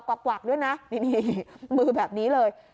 หักด้วยนะมือแบบนี้เลย